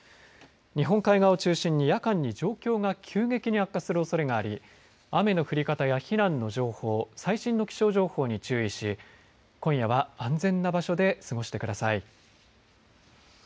日本海側を中心に夜間に状況が急激に悪化するおそれがあり雨の降り方や避難の情報最新の気象情報に注意し今夜は安全な場所で過ごしてください。